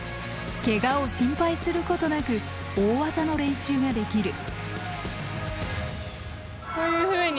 ケガを心配することなく大技の練習ができる。